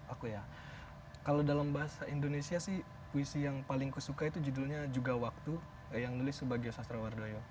aku ya kalau dalam bahasa indonesia sih puisi yang paling kusuka itu judulnya juga waktu yang nulis sebagai sastrawardoyo